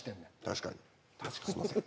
確かにすいません